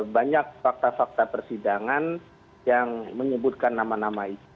banyak fakta fakta persidangan yang menyebutkan nama nama itu